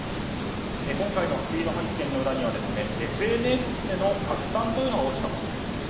今回のスピード発見の裏にはＳＮＳでの拡散が大きかったと。